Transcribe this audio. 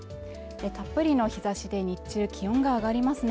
たっぷりの日差しで日中気温が上がりますね